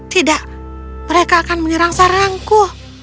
tidak mereka akan menyerang sarangku